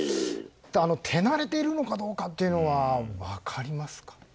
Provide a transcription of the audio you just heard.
手慣れているのかどうかというのは分かりますか？